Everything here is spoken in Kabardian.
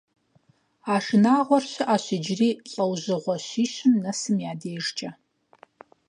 А шынагъуэр щыӀэщ иджыри лӀэужьыгъуэ щищым нэсым я дежкӀэ.